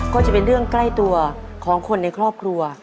ก็จะเป็นเรื่องใกล้ตัวของคนในครอบครัว